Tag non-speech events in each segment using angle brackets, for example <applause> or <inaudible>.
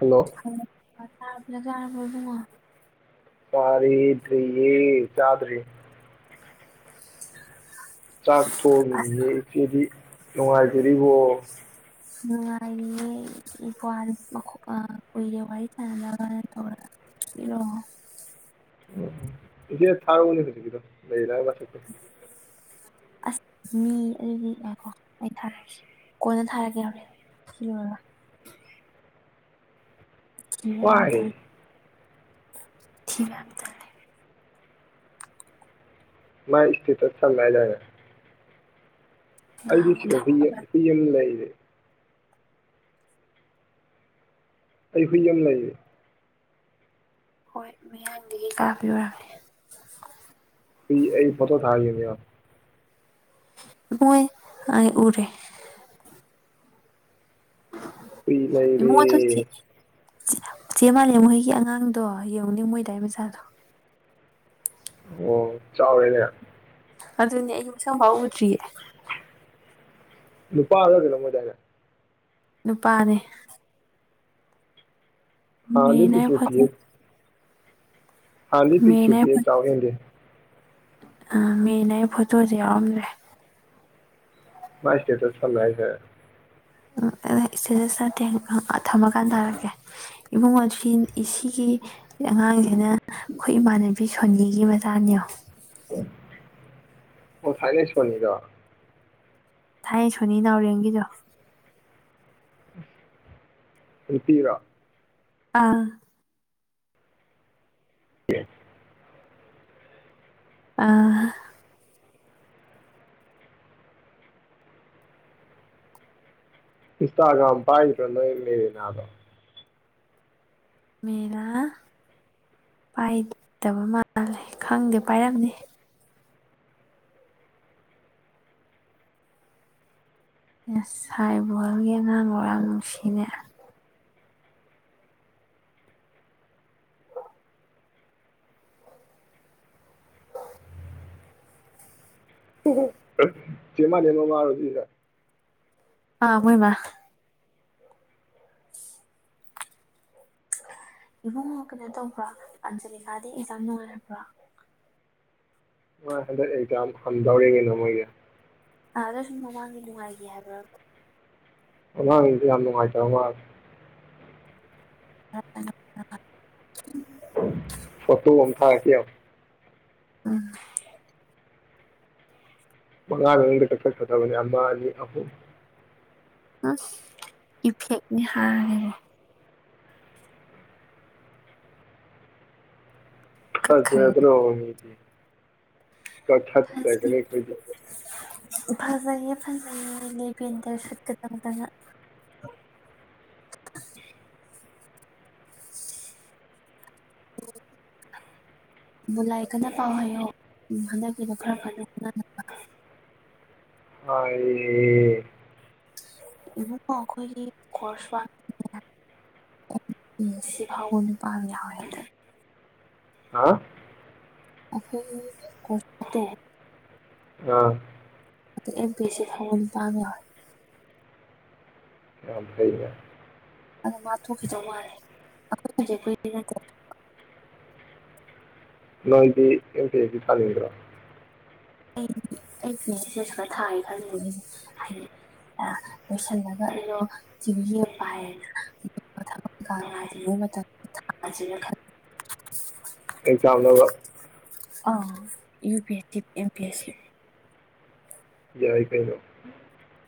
hello <unintelligible> ꯍꯥ ꯇꯥꯕꯔ꯭ ꯆꯥꯔꯕꯣ ꯏꯕꯨꯡꯉꯣ ꯆꯥꯔꯦꯗꯔ꯭ꯤ ꯌꯦ ꯆꯥꯗꯔ꯭ꯤ ꯆꯥꯛ ꯊꯣꯡꯉꯤꯌꯦ ꯏꯆꯦꯗꯤ ꯅꯨꯡꯉꯥꯏꯕꯤꯔꯤꯕꯣ ꯅꯨꯡꯉꯥꯏꯔꯤꯌꯦ <unintelligible> ꯀꯨꯏꯔꯦ ꯋꯥꯔꯤ ꯁꯥꯟꯅꯗꯕꯅ ꯇꯧꯔꯛꯏꯔꯣ ꯎꯝ ꯏꯆꯦ ꯊꯥꯔꯧꯅꯦ ꯍꯨꯖꯤꯛꯀꯤꯗꯣ ꯃꯦꯔꯤꯅꯥ ꯋꯥꯆꯞꯇꯣ ꯑꯁ ꯃꯤ ꯑꯗꯨꯗꯤ ꯉꯥꯢꯈꯣ ꯑꯩ ꯊꯔꯛ ꯀꯦꯁꯦ ꯀꯣꯟꯅ ꯊꯥꯔꯛ ꯀꯦ ꯍꯣꯔꯦꯟ ꯁꯤ ꯂꯣꯏꯔꯒ <unintelligible> ꯋꯥꯏ ꯊꯤꯕ ꯌꯥꯝ ꯇꯜꯂꯦ ꯃꯥꯏ ꯏꯁꯇꯦꯇꯁ ꯊꯝꯃꯦ ꯍꯥꯢꯗꯥꯏꯅꯦ ꯑꯩꯗꯤ ꯉꯍꯥꯟꯃꯨꯛ ꯁꯤꯗ ꯍꯨꯏ ꯊꯝꯃꯝꯕ ꯍꯨꯏ ꯑꯝ ꯂꯩꯔꯦ ꯑꯩ ꯍꯨꯏ ꯑꯝ ꯂꯩꯔꯦ ꯍꯣꯏ ꯃꯌꯥꯡꯗꯒꯤ ꯀꯌꯥꯞꯄꯤ ꯑꯣꯏꯔꯝꯅꯤ ꯑꯩ ꯑꯩ ꯐꯣꯇꯣ ꯊꯥꯒꯤꯝꯅꯤ ꯌꯣ ꯃꯣꯏ ꯑꯩ ꯎꯔꯦ ꯍꯨꯏ ꯏꯕꯨꯡꯉꯣ ꯑꯗꯨ ꯆꯦ ꯂꯩꯔꯦ ꯆꯦ ꯃꯥꯂꯦꯝ ꯍꯣꯏꯒꯤ ꯑꯉꯥꯡꯗꯣ ꯌꯦꯡꯉꯨꯅꯦ ꯃꯣꯏꯗꯥꯏ ꯃꯆꯥꯗꯣ ꯑꯣ ꯆꯥꯎꯔꯦꯅꯦ ꯑꯗꯨꯅꯦ ꯑꯩ ꯃꯁꯛ ꯐꯥꯎ ꯎꯗ꯭ꯔꯤꯌꯦ ꯅꯨꯄꯥꯔ ꯀꯩꯅꯣꯝ ꯑꯣꯏꯗꯥꯏꯅꯦ ꯅꯨꯄꯥꯅꯦ ꯍꯥꯟꯗꯤ ꯃꯦꯔꯤꯅꯥꯏ ꯄꯤꯛꯇꯔꯨ ꯐꯣꯇꯣ ꯄꯤꯛꯏ ꯍꯥꯟꯗꯤ ꯄꯤꯛꯇꯔꯨ ꯄꯤꯛꯏ ꯆꯥꯎ ꯍꯦꯟꯗꯦ ꯑ ꯃꯦꯌꯤꯅꯥꯏ ꯐꯣꯇꯣꯖꯦ ꯌꯥꯎꯔꯝꯗ꯭ꯔꯦ ꯃꯥꯏ ꯏꯁꯇꯦꯇꯁ ꯊꯝꯃꯦ ꯍꯥꯏꯁꯦ ꯑꯥ ꯏꯁꯇꯦꯇꯁ ꯅꯠꯇꯦ ꯑꯥ ꯊꯝꯃꯀꯥꯟ ꯊꯥꯔꯛꯀꯦ ꯏꯕꯨꯡꯉꯣ <unintelligible> ꯁꯤꯒꯤ ꯑꯉꯥꯡꯖꯤꯅ ꯈꯣꯏ ꯏꯃꯥꯟꯅꯕꯤ ꯁꯣꯅꯤꯒꯤ ꯃꯆꯥꯅꯤꯌꯣꯡ ꯑꯣ ꯊꯥꯏꯅꯩ ꯁꯣꯅꯤ ꯗꯣ ꯊꯥꯏ ꯁꯣꯅꯤ ꯅꯥꯎꯔꯦꯝꯒꯤꯗꯣ ꯅꯨꯄꯤꯔꯥ ꯑꯥ ꯑꯦ ꯑ ꯏꯟꯁꯇꯒ꯭ꯔꯝ ꯄꯥꯏ ꯏꯃꯦꯗꯅꯗꯣ ꯃꯦꯂꯥ ꯄꯥꯏꯗꯕ ꯃꯥꯜꯂꯦ ꯈꯪꯗꯦ ꯄꯥꯏꯔꯝꯅꯤ ꯑꯦꯁꯥꯏ ꯕꯣꯜꯒꯤ ꯑꯉꯥꯡ ꯑꯣꯏꯔꯥꯡ ꯅꯨꯡꯁꯤꯅꯦ ꯃꯅꯦꯃꯣ ꯃꯥꯔꯖꯤꯁ ꯑꯥ ꯍꯣꯏꯃ ꯏꯕꯨꯡꯉꯣ ꯀꯩꯅꯣ ꯇꯧꯕ꯭ꯔꯥ ꯑꯟꯖꯂꯤꯀꯥꯗꯤ ꯑꯩꯖꯥ ꯅꯨꯡꯉꯥꯏꯔꯕ꯭ꯔꯥ ꯍꯣꯏ ꯍꯟꯗꯛ ꯑꯩꯖ ꯍꯝꯗꯧꯔꯤꯉꯅ ꯃꯣꯏꯒꯤ ꯑꯥ ꯑꯗ ꯁꯨꯝ ꯃꯃꯥꯡꯒꯤ ꯅꯨꯡꯉꯥꯏꯈꯤ ꯍꯥꯏꯕ꯭ꯔ ꯑ ꯏꯉꯥꯏꯇꯔꯃ ꯑ ꯐꯠꯇ ꯑꯣꯝ ꯊꯥ ꯀ ꯎꯝ ꯃꯉꯥ ꯇꯅꯤ ꯑꯃꯥꯅꯤ ꯑ ꯑ ꯏꯐꯦꯛꯅꯤ ꯍꯥꯏꯦ ꯐꯁ ꯀꯛꯈ꯭ꯔꯦ ꯑꯦꯗꯔꯣꯗꯤ ꯀꯊꯠ ꯐꯖꯩ ꯆꯒꯔ ꯀꯗꯤ ꯐꯖꯩꯌꯦ ꯐꯖꯩꯌꯦ ꯂꯩꯕꯦꯟꯗꯔ ꯁꯨꯠꯀ ꯆꯗ ꯕꯨꯂꯥꯏ ꯀꯟꯅ ꯄꯥꯎ ꯍꯥꯏꯌꯣ ꯍꯟꯗꯛꯀꯤꯗꯣ ꯈꯔ ꯐꯖ ꯈꯣꯅꯅꯕ ꯇꯥꯏꯌꯦ ꯏꯈꯣꯏꯒꯤꯁꯋꯥ ꯁꯤ ꯐꯒꯅꯦ ꯄꯥ ꯍꯥ ꯑꯩꯈꯣꯏ ꯀꯁ ꯑꯥ ꯑꯗ ꯑꯦꯝ ꯄꯁꯦ ꯐꯪꯝ ꯇꯥꯡꯉꯣꯏ ꯌꯥꯝ ꯐꯩꯅꯦ ꯑꯗꯣ ꯃꯥ ꯊꯣꯛꯈꯤꯗꯧ ꯃꯥꯜꯂꯦ ꯑꯩꯈꯣꯏ ꯍꯧꯖꯤꯛ ꯀꯨꯏ ꯅꯠꯇꯦ ꯣꯏꯇꯤ ꯑꯦꯇ ꯀꯗꯒ꯭ꯔꯣ ꯑꯩ ꯑꯩꯆꯦ ꯈꯔ ꯊꯥꯏꯦ ꯈꯜꯂꯤꯕꯅꯤꯅ ꯍꯥꯏꯗꯤ ꯂꯣꯏꯁꯤꯜꯂꯒ ꯑꯩꯩꯅꯣ ꯆꯤꯕꯤ ꯑꯃ ꯄꯥꯏꯌꯦꯅ ꯉꯥꯏꯗ꯭ꯔꯤꯉꯩ ꯃꯇꯝꯗ ꯊꯥꯁꯤꯦꯅ ꯈ ꯑꯩ ꯆꯗꯕ ꯑ U P S C M P S C ꯌꯥꯏ ꯀꯩꯅꯩꯅꯣ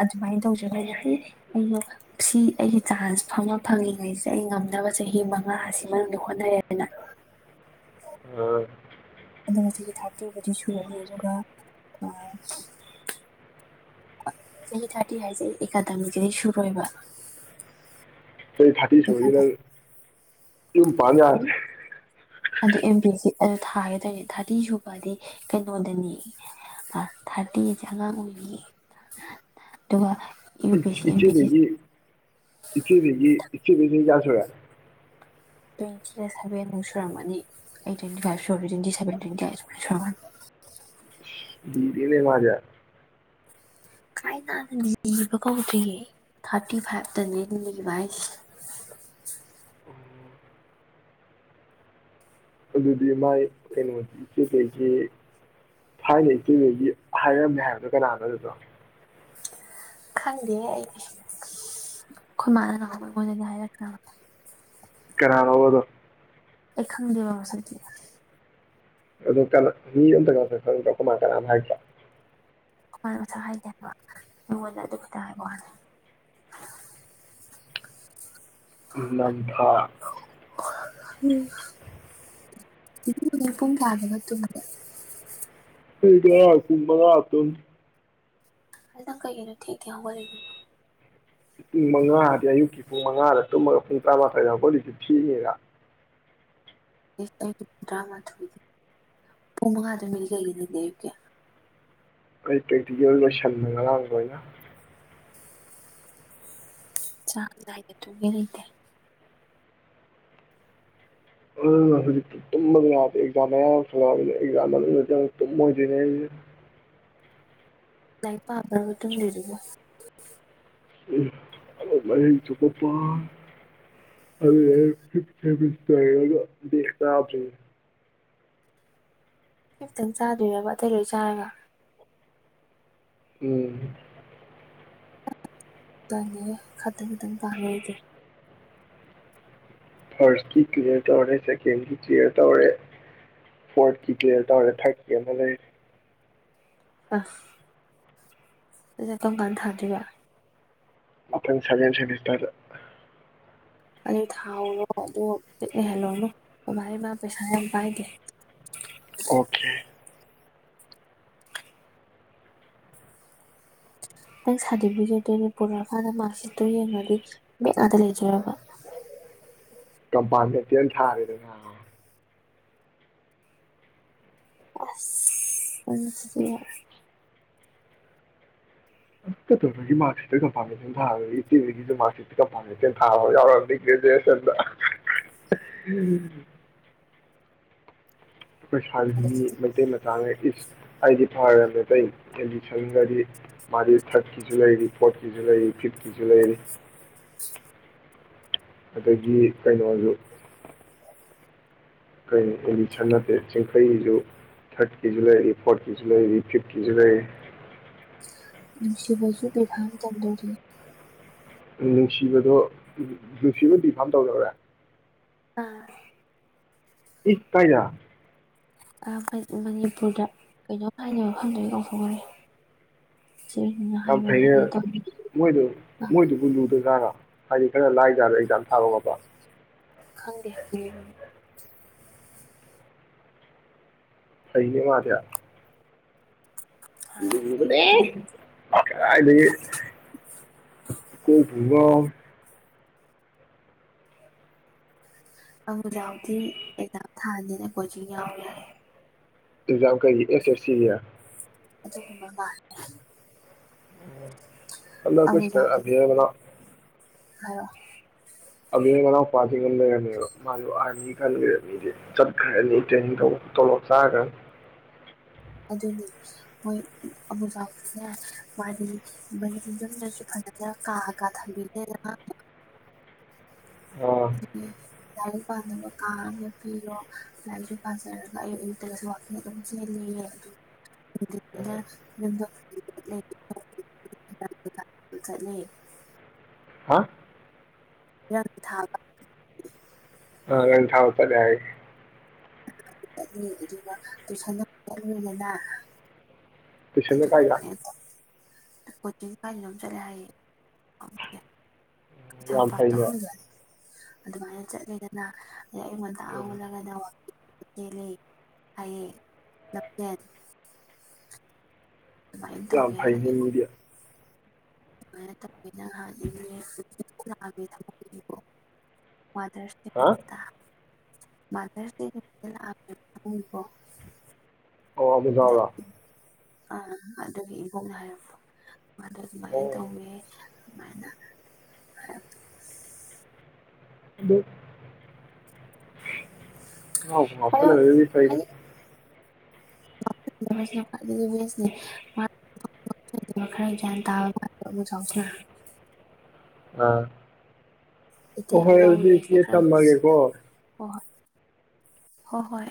ꯑꯗꯨꯃꯥꯏꯅ ꯇꯧꯖꯒ ꯑꯩꯩꯅ ꯁꯤ ꯑꯩꯒꯤ ꯆꯥꯟꯁ ꯐꯪꯃ ꯐꯪꯉꯤꯉꯩꯁꯦ ꯑꯩ ꯉꯝꯅꯕ ꯆꯍꯤ ꯃꯉꯥꯁꯤ ꯃꯅꯨꯡꯗ ꯍꯣꯠꯅꯔꯦꯅ ꯑꯥ ꯑꯗꯨ ꯆꯍꯤ ꯊꯥꯔꯇꯤꯕꯨꯗꯤ ꯁꯨꯔꯅꯤ ꯑꯗꯨꯒ ꯆꯍꯤ ꯊꯥꯔꯇꯤ ꯍꯥꯏꯁꯦ ꯑꯦꯀꯥꯗꯃꯤꯛꯀꯤꯗꯤ ꯁꯨꯔꯣꯏꯕ ꯀ ꯊꯇ ꯁꯅ ꯏ ꯄꯥꯖꯥ ꯑꯗꯨ ꯑꯦꯝ ꯕꯤ ꯑꯦꯁ ꯁꯤ ꯑꯗꯨ ꯊꯥꯒꯗꯣꯏꯅꯤ ꯊꯥꯔꯇꯤ ꯁꯨꯕꯗꯤ ꯀꯩꯅꯣꯗꯅꯤ ꯊꯥꯔꯇꯤꯁꯦ ꯑꯉꯥꯡ ꯑꯣꯏꯔꯤꯌꯦ ꯑꯗꯨꯒ U E P S C M P S C ꯏꯆꯦꯒꯤ ꯏꯆꯦꯒꯤ ꯏꯆꯦ ꯎ ꯑꯩꯠꯁꯤꯗ ꯁꯚꯦꯟꯃꯨꯛ ꯁꯨꯔꯝꯃꯅꯤ ꯑꯩꯠ ꯇ꯭ꯋꯦꯟꯇꯤ ꯐꯥꯏꯚ ꯁꯨꯔꯕꯅꯤ ꯇ꯭ꯋꯦꯟꯇꯤ ꯁꯚꯦꯟ ꯇ꯭ꯋꯦꯟꯇꯤ ꯑꯥꯏꯠ ꯁꯨꯃꯥꯏꯅ ꯁꯨꯔꯝꯃꯅꯤ ꯗꯤꯅꯦ ꯃꯥꯖꯥ ꯀꯥꯏ ꯇꯅ ꯂꯤꯕ ꯀꯧꯗ꯭ꯔꯤꯌꯦ ꯊꯥꯔꯇꯤ ꯐꯥꯏꯚꯇꯅꯦ ꯂꯤꯕ ꯍꯥꯏꯁꯦ ꯎ ꯃ ꯀꯩꯅ ꯑꯦꯇꯨ ꯀꯩꯒꯤ ꯐꯥꯏꯅ ꯑꯩ ꯇꯨꯩꯒꯤ ꯍꯥꯏꯔꯝꯃꯦ ꯍꯥꯏꯕꯗꯣ ꯀꯅꯥꯅꯣ ꯑꯗꯨꯗꯣ ꯈꯪꯗꯦ ꯑꯩ ꯈꯣꯏꯃꯥꯟꯅꯅꯕꯕ ꯑꯩꯉꯣꯟꯗꯗꯤ ꯍꯥꯏꯔꯛꯇ꯭ꯔꯕ ꯀꯅꯥꯅꯣꯕꯥ ꯑꯗꯣ ꯑꯩ ꯈꯪꯗꯦꯕꯥ ꯃꯁꯛꯇꯤ ꯑꯗꯨꯗ ꯀ ꯃꯤꯗ ꯑꯈꯣꯏ ꯃꯥ ꯀꯦꯝ ꯍꯥꯏꯔꯛꯇꯦ ꯑꯩꯈꯣꯏ ꯃꯥꯅ ꯃꯁꯛ ꯍꯥꯏꯩꯗꯕ ꯑꯩꯉꯣꯟꯗ ꯑꯗꯨ ꯈꯇꯪ ꯍꯥꯏꯕꯥ ꯋꯥꯅꯤ ꯂꯟꯊꯥ <unintelligible> ꯄꯨꯡ ꯀꯌꯗꯅꯣ ꯇꯨꯝꯕꯗꯣ <unintelligible> ꯄꯨꯡ ꯃꯪꯉꯥ ꯇꯨꯝꯃꯤ ꯑꯗꯨ ꯅꯪ ꯀꯩꯒꯤꯅꯣ ꯊꯦꯡ ꯊꯦ ꯍꯧꯒꯠꯂꯕꯣ ꯄꯨꯡ ꯃꯉꯥ ꯍꯥꯏꯗꯤ ꯑꯌꯨꯛꯀꯤ ꯄꯨꯡ ꯃꯉꯥꯗ ꯇꯨꯝꯃꯒ ꯄꯨꯡ ꯇꯔꯥꯃꯥꯊꯣꯏꯗ ꯑꯩꯈꯣꯏꯂꯤꯁꯨ ꯊꯤꯉꯦꯒ <unintelligible> ꯄꯨꯡ ꯃꯉꯥꯗ <unintelligible> ꯑꯗꯨꯗꯤ ꯑꯌꯨꯛꯀꯤ ꯀꯩ ꯀꯩ ꯂꯣꯏꯅ ꯁꯟꯕꯅꯦ ꯉꯥꯔꯥꯡ ꯂꯣꯏꯅ ꯆꯥꯡ ꯅꯥꯏꯅ ꯇꯨꯝꯒꯦ ꯂꯩꯇꯦ ꯑꯗꯣ ꯍꯧꯖꯤꯛꯇꯤ ꯇꯨꯝꯕꯒ ꯌꯥꯥꯗꯦ ꯑꯦꯛꯖꯥꯝ ꯃꯌꯥ ꯌꯧꯁꯜꯂꯛꯄꯩ ꯑꯦꯛꯖꯥꯝ ꯃꯅꯨꯡꯗꯥ ꯇꯨꯝꯃꯥꯒꯦ ꯁꯤꯅꯦ ꯂꯥꯏꯐꯥ <unintelligible> ꯇꯨꯝ ꯂꯩꯔꯕꯣ <unintelligible> ꯅꯪꯇꯪ ꯆꯥꯗꯣꯏꯅꯦꯕ ꯑꯇꯩ ꯂꯣꯏ ꯆꯥꯔꯒ ꯎꯝ <unintelligible> ꯈꯛꯇꯪ ꯈꯛꯇꯪ <unintelligible> ꯐꯥꯔꯁꯀꯤ ꯀ꯭ꯂꯤꯂꯤꯌꯥꯔ ꯇꯧꯔꯦ ꯁꯦꯀꯦꯟꯒꯤ ꯀ꯭ꯂꯤꯌꯔ ꯇꯧꯔꯦ ꯐꯣꯔꯠꯀꯤ ꯀ꯭ꯂꯤꯌꯥꯌꯔ ꯇꯧꯔꯦ ꯊꯥꯔꯠꯀꯤ ꯑꯃ ꯂꯩꯔꯦ ꯑꯁ ꯑꯗꯨꯗꯤ ꯀꯝ ꯀꯥꯟ ꯊꯥ ꯑꯗꯨꯕ ꯃꯊꯪ ꯁꯕꯦꯟ ꯁꯦꯃꯦꯁꯇꯔꯗ ꯑꯗꯨ ꯊꯥꯎꯔꯣ ꯑꯗꯨ ꯂꯩꯍꯜꯂꯣꯅꯣ <unintelligible> ꯏꯃꯥ ꯄꯩꯁꯥ ꯌꯥꯝ ꯄꯥꯏꯗꯦ ꯑꯣꯀꯦ ꯅꯪ ꯁꯥꯔꯇꯤꯐꯤꯀꯦꯠꯇꯨꯗ ꯄꯨꯔꯛꯑꯀꯥꯟꯗ ꯃꯥꯔꯛꯁꯤꯠꯇꯣ ꯌꯦꯡꯉꯗꯤ ꯕꯦꯛ ꯑꯥꯗ ꯂꯩꯖꯔꯕ ꯀꯝꯄꯥꯟꯇ ꯊꯥꯔꯤꯗ ꯑꯁ <unintelligible> <unintelligible> ꯑꯩꯈꯣꯏ ꯁꯥꯟ ꯃꯩꯇꯩ ꯃꯆꯥ ꯏꯁ ꯍꯥꯏꯗꯤ ꯐꯔꯃꯦ ꯑꯇꯩ ꯑꯦꯗꯤꯁꯟꯒꯗꯤ ꯃꯥꯗꯤ ꯊꯥꯔꯠꯀꯤꯁꯨ ꯂꯩꯔꯤ ꯐꯣꯔꯠꯀꯤꯁꯨ ꯂꯩꯔꯤ ꯐꯤꯐꯀꯤꯁꯨ ꯂꯩꯔꯤ ꯑꯗꯒꯤ ꯀꯩꯅꯣꯁꯨ ꯀꯩꯅꯣ ꯑꯦꯗꯤꯁꯟ ꯅꯠꯇꯦ ꯆꯤꯡꯈꯩꯒꯤꯁꯨ ꯊꯥꯔꯠꯀꯤꯁꯨ ꯂꯩꯔꯤ ꯐꯣꯔꯠꯀꯤꯁꯨ ꯂꯩꯔꯤ ꯐꯤꯐꯀꯤꯁꯨ ꯂꯩꯔꯤ ꯅꯨꯡꯁꯤꯕꯁꯨ ꯕꯤꯚꯥꯟ ꯀꯧꯗꯧꯔꯤ ꯅꯨꯡꯁꯤꯕꯗꯣ ꯅꯨꯡꯁꯤꯕ ꯗꯤꯐꯥꯝ ꯇꯧꯗꯧꯔꯦ ꯑꯥ ꯏ ꯀꯥꯏꯗ ꯃꯅꯤꯄꯨꯔꯗ ꯀꯩꯅꯣꯝ ꯍꯥꯏꯅ ꯃꯐꯝꯗꯨꯒꯤ ꯑꯩ ꯀꯥꯎꯊꯣꯛꯀꯔꯦ ꯌꯥꯝ ꯐꯩꯩꯅ ꯃꯣꯏꯗꯨ ꯇꯧ ꯃꯣꯏꯗꯨꯕꯨ ꯂꯨꯗꯖꯥꯠꯒ ꯍꯥꯏꯗꯤ ꯈꯔ ꯂꯥꯏꯖꯔꯦ ꯑꯩꯖꯥꯝ ꯊꯥꯕꯥ ꯈꯣꯠꯄ ꯈꯪꯗꯦ ꯐ ꯁꯩꯩꯅ ꯃꯥꯔꯌꯥ ꯗꯤ ꯀ ꯋꯥ ꯑꯖꯥꯎꯗꯤꯤ ꯑꯦꯛꯖꯥꯝ ꯊꯥꯅꯤꯅ ꯑꯩꯈꯣꯏꯁꯨ ꯌꯥꯎ ꯌꯥꯦ ꯏꯜꯖꯥ ꯀꯔꯤꯒꯤ ꯑꯦꯁ ꯑꯦꯁ ꯁꯤ ꯂꯌꯥ ꯑꯗꯨ ꯍ ꯑꯦꯀ ꯏꯁ ꯑꯕꯅ ꯑ ꯑꯕ ꯃꯅꯥꯎꯄꯥꯋꯥꯁꯤꯡꯒ ꯂꯩꯔꯝꯃꯦꯕ ꯃꯥꯅ ꯑꯥꯔꯃꯤ ꯈꯟꯈ꯭ꯔꯅꯤꯗꯤ ꯆꯠꯈ꯭ꯔꯅꯤ ꯇꯦꯅꯤꯡ ꯇꯣꯂꯣꯞ ꯆꯥꯈ꯭ꯔꯅꯤ ꯑꯗꯨꯒꯤ ꯃꯣꯏ ꯑꯕꯨꯖꯁꯤꯅꯦ ꯃꯥꯗꯤ ꯃꯩꯗꯁꯨ ꯐꯖꯅ ꯀꯥ ꯀꯥ ꯊꯝꯕꯤꯗꯦꯅ ꯑꯥ ꯎꯝ ꯂꯥꯏꯔꯤꯛ ꯄꯥꯝꯅꯕ ꯀꯥ ꯑꯃ ꯄꯤꯔꯣ ꯂꯥꯏꯔꯤꯛꯁꯨ ꯄꯥꯖꯔꯒ ꯑꯌꯨ ꯑꯌꯨꯛꯇꯒꯁꯨ ꯋꯥꯛꯀꯤꯡ ꯑꯗꯨꯝ ꯆꯦꯜꯂꯤꯌꯦ <unintelligible> ꯆꯠꯂꯦ ꯍꯥ ꯌꯥꯝ ꯊꯥꯕ ꯑ ꯔꯪ ꯊꯥꯕ ꯁꯠꯂꯦ ꯍꯥꯏꯌꯦ ꯆ ꯑꯗꯨꯒ ꯄꯩꯁꯥꯒ ꯂꯣꯏꯅꯅ ꯇꯨꯏꯁꯟꯅ ꯑꯗꯨꯝꯕ ꯀꯥꯏꯗ ꯃꯌꯥꯝꯗꯥ ꯀꯣꯆꯤꯡ ꯀꯥꯏꯗꯅꯣꯝ ꯆꯠꯂꯦ ꯍꯥꯏꯌꯦ ꯌꯥꯝ ꯀꯩꯁꯥꯝꯄꯥꯠꯇ ꯐꯩꯅꯦ <unintelligible> ꯑꯗꯨꯃꯥꯏꯅ ꯆꯠꯂꯦꯗꯅ ꯑꯗꯩ ꯑꯌꯨꯛ ꯉꯟꯇꯥꯗ ꯎꯝ ꯍꯧꯒꯠꯅ ꯋꯥꯀꯤꯡ ꯆꯦꯜꯂꯦ ꯍꯥꯏꯌꯦꯡ ꯂꯝꯖꯦꯟ ꯑꯗꯨꯃꯥꯏꯅ ꯌꯥꯝ ꯇꯧꯒꯦ ꯍꯥꯏ ꯐꯥꯏꯅꯦ ꯃꯤꯗꯤ ꯑꯗꯨꯃꯥꯏꯅ ꯇꯧꯑꯤꯅ <unintelligible> ꯃꯗꯔ꯭ꯁꯗꯦ ꯍꯥ ꯅꯨꯃꯤꯠꯗ ꯃꯥꯗ꯭ꯔꯁ ꯗꯦ ꯅꯨꯃꯤꯠꯇ ꯂꯥꯛꯑꯝꯃꯦꯕ <unintelligible> ꯑꯣ ꯑꯗꯨꯗꯔꯣ ꯑꯥ ꯑꯗꯨꯒꯤ ꯏꯕꯣꯛꯅ ꯍꯥꯏꯔꯛꯄ ꯑꯗꯣ ꯑꯣ ꯑꯗꯨꯃꯥꯏꯅ ꯇꯧꯋꯦ ꯑꯗꯨꯃꯥꯏꯅ ꯍꯥꯏꯔꯄ <unintelligible> ꯑꯗꯣ ꯉꯥꯎꯁꯟꯅꯗꯕꯅꯤꯅ ꯐꯩꯗ ꯍꯥꯏꯗꯤ <unintelligible> ꯈꯔ ꯒ꯭ꯌꯥꯟ ꯇꯥꯕꯁꯤꯅ ꯑꯥ ꯍꯣꯏ <unintelligible> ꯍꯣꯏ ꯑꯗꯨꯗꯤ ꯏꯆꯦ ꯊꯝꯃꯒꯦꯀꯣ ꯍꯣ ꯍꯣꯏ ꯍꯣ ꯍꯣꯏ